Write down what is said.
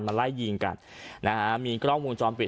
มาไล่ยิงกันมีกล้องมุมจอมปิด